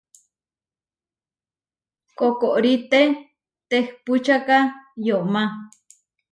Kokoríʼte tehpúčaka yomá.